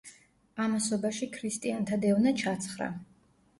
ამასობაში ქრისტიანთა დევნა ჩაცხრა.